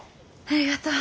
ありがとう。